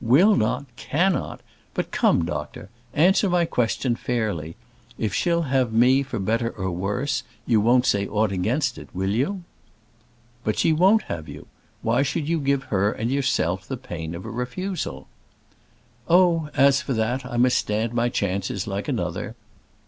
"Will not! cannot! But come, doctor, answer my question fairly. If she'll have me for better or worse, you won't say aught against it; will you?" "But she won't have you; why should you give her and yourself the pain of a refusal?" "Oh, as for that, I must stand my chances like another.